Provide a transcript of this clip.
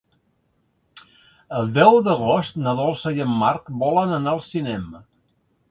El deu d'agost na Dolça i en Marc volen anar al cinema.